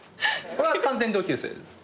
ここは完全に同級生です。